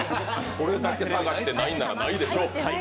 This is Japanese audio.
これだけ探してないならないでしょう。